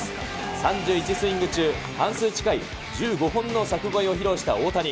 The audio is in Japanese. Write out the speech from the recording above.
３１スイング中、半数近い１５本の柵越えを披露した大谷。